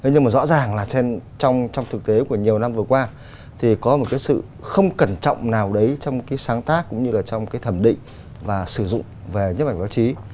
nhưng mà rõ ràng là trong thực tế của nhiều năm vừa qua thì có một cái sự không cẩn trọng nào đấy trong cái sáng tác cũng như là trong cái thẩm định và sử dụng về nhấp ảnh báo chí